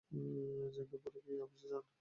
জাইঙ্গা পড়ে কি অফিসে যান?